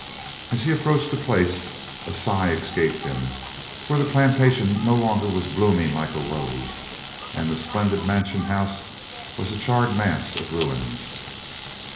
As he approached the place a sigh escaped him, for the plantation no longer was blooming like a rose, and the splendid mansion house was a charred mass of ruins.